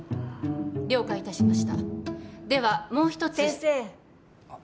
了解いたしましたではもう一つ先生はっ